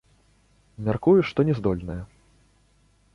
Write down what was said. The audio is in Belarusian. Мяркую, што не здольная.